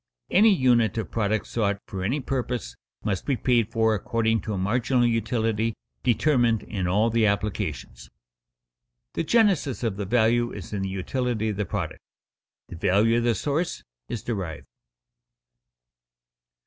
Any unit of product sought for any purpose must be paid for according to a marginal utility determined in all the applications. The genesis of the value is in the utility of the product; the value of the source is derived.